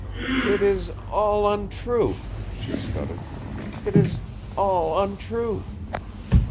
"It is all untrue," she stuttered. "It is all untrue."